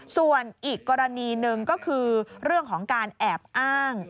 ส่วนอีกกรณีหนึ่งก็คือเรื่องของการแอบอ้าง